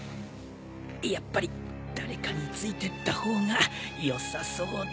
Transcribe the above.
やっぱり誰かについてった方がよさそうだ。